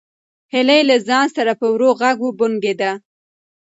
هیلې له ځان سره په ورو غږ وبونګېده.